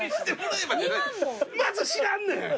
まず知らんねん！